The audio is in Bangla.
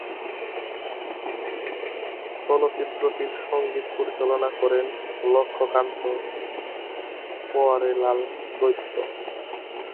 চলচ্চিত্রটির সংগীত পরিচালনা করেন লক্ষ্মীকান্ত-পেয়ারেলাল দ্বৈত।